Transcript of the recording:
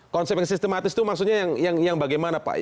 konsep yang sistematis itu maksudnya yang bagaimana pak